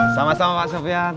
sama sama pak sofyan